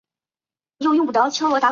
她是一名共和党党员。